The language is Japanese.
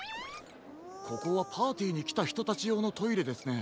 ここはパーティーにきたひとたちようのトイレですね。